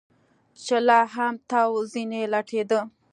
چې لا هم تاو ځنې لټېده.